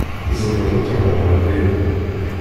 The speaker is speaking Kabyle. Tzemreḍ ad truḥeḍ ɣer din.